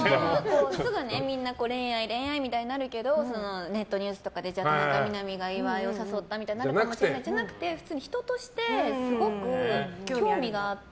すぐみんな恋愛、恋愛みたいになるけどネットニュースとかで田中みな実が岩井を誘ったみたいになるかもしれないけどじゃなくて、人としてすごく興味があって。